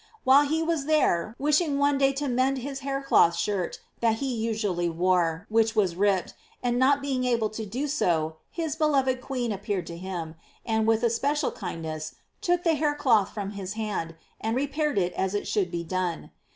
While he was there, wishing one day to mend his hair cloth shirt that he usually wore, which was ripped, and not being able to do it well, his beloved queen appeared to him, and, with especial kind ness, took the hair cloth from his hand, and re paired it as it should be done.